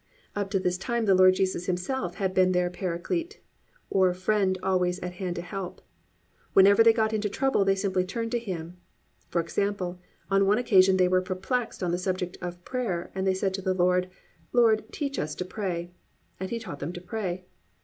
Up to this time the Lord Jesus Himself had been their Paraclete, or friend always at hand to help. Whenever they got into any trouble they simply turned to Him. For example, on one occasion they were perplexed on the subject of prayer and they said to the Lord, "Lord teach us to pray." And He taught them to pray.